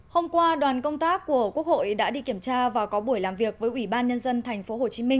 hôm qua đoàn công tác của quốc hội đã đi kiểm tra và có buổi làm việc với ủy ban nhân dân tp hcm